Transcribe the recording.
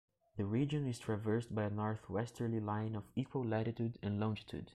The region is traversed by a northwesterly line of equal latitude and longitude.